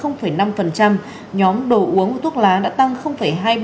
năm nhóm đồ uống và thuốc lá đã tăng hai mươi ba